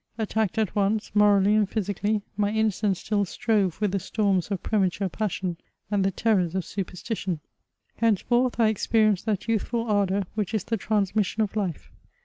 Attacked at once, morally and physi cally, my innocence still strove with the storms of premature passion, and the terrors of superstition. Henceforth, I experienced that youthful ardour which is the transmission of life.